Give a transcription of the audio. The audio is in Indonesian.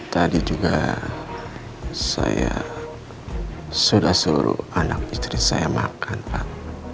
tadi juga saya sudah seluruh anak istri saya makan pak